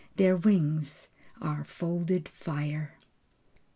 Their wings are folded fire.